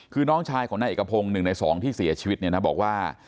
คือน้องชายของนายเอกพงศ์๑ใน๒ที่เสียชีวิตเนี่ยนะบอกว่า